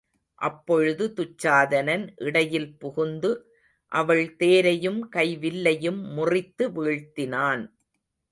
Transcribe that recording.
அப்பொழுது துச்சாதனன் இடையில் புகுந்து அவள் தேரையும் கை வில்லையும் முறித்து வீழ்த்தினான்.